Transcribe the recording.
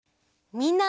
みんな。